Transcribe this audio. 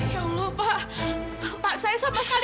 ya allah pak pak saya sama sekali